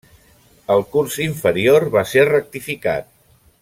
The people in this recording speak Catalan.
El curs inferior va ser rectificat.